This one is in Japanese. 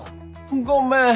ごめん。